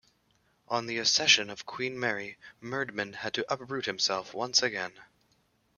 On the accession of Queen Mary, Mierdman had to uproot himself once again.